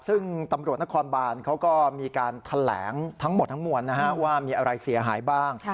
ซึ่งตำรวจนครบานเขาก็มีการแถลงทั้งหมดทั้งมวลว่ามีอะไรเสียหายบ้าง